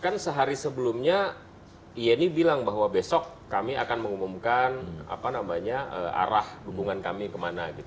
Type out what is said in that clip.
kan sehari sebelumnya yeni bilang bahwa besok kami akan mengumumkan arah hubungan kami kemana